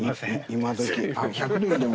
今どき。